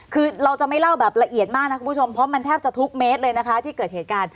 คือเราจะไม่เล่าแบบละเอียดมากนะคุณผู้ชมเพราะมันแทบจะทุกเมตรเลยนะคะที่เกิดเหตุการณ์